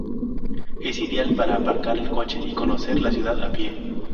Es ideal para aparcar el coche y conocer la ciudad a pie.